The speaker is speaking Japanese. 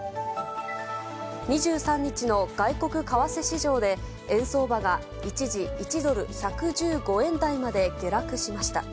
２３日の外国為替市場で、円相場が一時、１ドル１１５円台まで下落しました。